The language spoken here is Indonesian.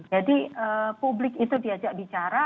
jadi publik itu diajak bicara